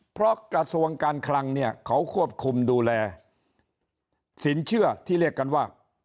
เพราะกระทรวงการคลังเนี่ยเขาควบคุมดูแลสินเชื่อที่เรียกกันว่า